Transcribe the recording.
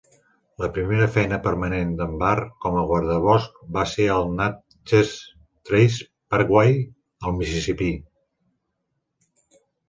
La primera feina permanent d'en Barr com a guardabosc va ser al Natchez Trace Parkway, al Mississipí.